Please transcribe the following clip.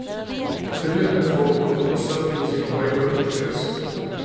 Følgerne af forbuddet mod subleasing må ikke undervurderes.